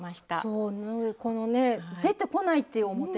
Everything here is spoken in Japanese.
そうこのね出てこないっていう表に。